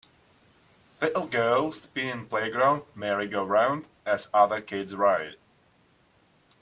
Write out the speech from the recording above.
Little girl spinning playground merrygoround as other kids ride.